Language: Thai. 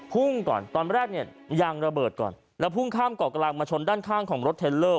ก่อนตอนแรกเนี่ยยางระเบิดก่อนแล้วพุ่งข้ามเกาะกลางมาชนด้านข้างของรถเทลเลอร์